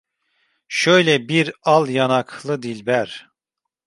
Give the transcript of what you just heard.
Şöyle bir al yanaklı dilber.